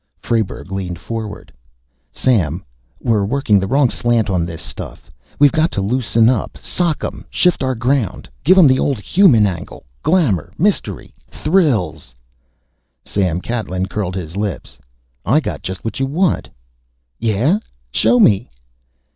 Frayberg leaned forward. "Sam, we're working the wrong slant on this stuff.... We've got to loosen up, sock 'em! Shift our ground! Give 'em the old human angle glamor, mystery, thrills!" Sam Catlin curled his lips. "I got just what you want." "Yeah? Show me."